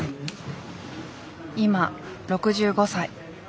今６５歳。